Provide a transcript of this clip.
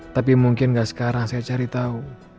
tapi mungkin gak sekarang saya cari tau